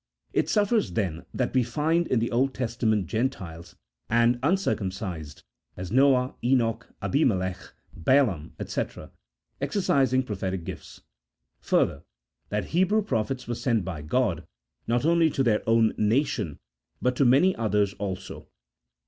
It suffices, then, that we find in the Old Testament Gentiles, and uncircumcised, as Noah, Enoch, Abimelech, Balaam, &c, exercising pro phetic gifts ; further, that Hebrew prophets were sent by God, not only to their own nation but to many others also.